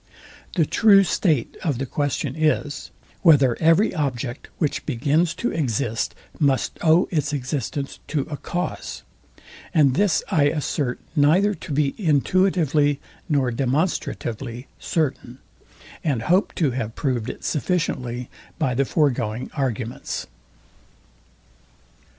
The true state of the question is, whether every object, which begins to exist, must owe its existence to a cause: and this I assert neither to be intuitively nor demonstratively certain, and hope to have proved it sufficiently by the foregoing arguments.